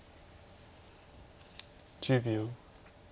１０秒。